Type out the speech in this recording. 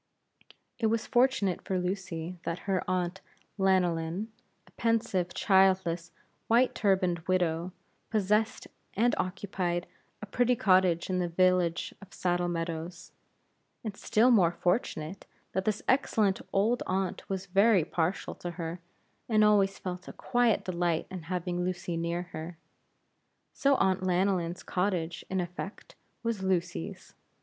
It was fortunate for Lucy that her Aunt Lanyllyn a pensive, childless, white turbaned widow possessed and occupied a pretty cottage in the village of Saddle Meadows; and still more fortunate, that this excellent old aunt was very partial to her, and always felt a quiet delight in having Lucy near her. So Aunt Lanyllyn's cottage, in effect, was Lucy's.